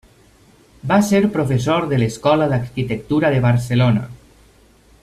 Va ser professor de l'Escola d'Arquitectura de Barcelona.